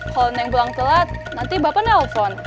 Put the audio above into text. kalau neng buang telat nanti bapak nelfon